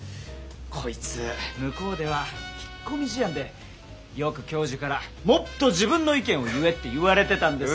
こいつ向こうでは引っ込み思案でよく教授からもっと自分の意見を言えって言われてたんです。